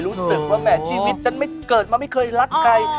รู้สึกว่าแหมชีวิตฉันไม่เกิดมาไม่เคยรักใคร